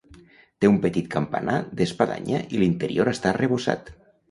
Té un petit campanar d'espadanya i l'interior està arrebossat.